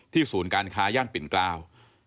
ที่ศูนย์การค้ายั่นปิ่นกล้าว